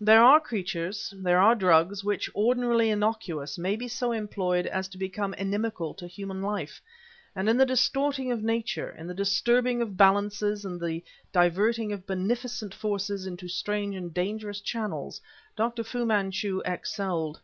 There are creatures, there are drugs, which, ordinarily innocuous, may be so employed as to become inimical to human life; and in the distorting of nature, in the disturbing of balances and the diverting of beneficent forces into strange and dangerous channels, Dr. Fu Manchu excelled.